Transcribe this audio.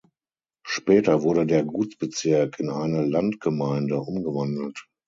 Später wurde der Gutsbezirk in eine Landgemeinde umgewandelt.